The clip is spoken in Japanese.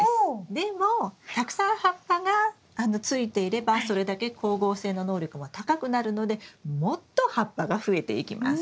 でもたくさん葉っぱがついていればそれだけ光合成の能力も高くなるのでもっと葉っぱが増えていきます。